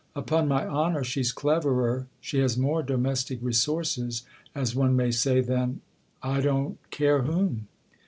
" Upon my honour she's cleverer, she has more domestic resources, as one may say, than I don't care whom